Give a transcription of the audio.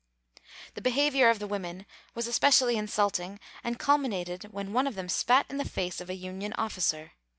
The behavior of the women was especially insulting and culminated when one of them spat in the face of a Union officer.